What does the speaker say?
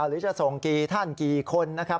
หรือจะส่งกี่ท่านกี่คนนะครับ